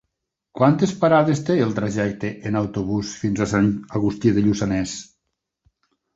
Quantes parades té el trajecte en autobús fins a Sant Agustí de Lluçanès?